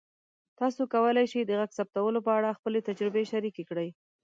تاسو کولی شئ د غږ ثبتولو په اړه خپلې تجربې شریکې کړئ.